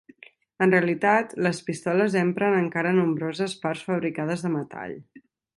En realitat, les pistoles empren encara nombroses parts fabricades de metall.